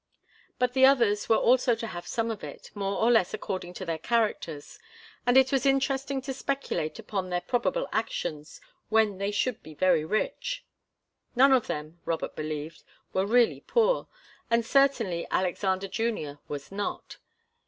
But the others were also to have some of it, more or less according to their characters, and it was interesting to speculate upon their probable actions when they should be very rich. None of them, Robert believed, were really poor, and certainly Alexander Junior was not.